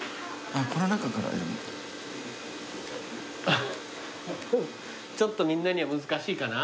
あっちょっとみんなには難しいかな？